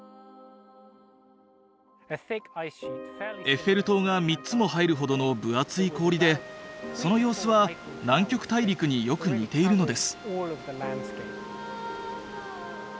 エッフェル塔が３つも入るほどの分厚い氷でその様子は南極大陸によく似ているのです。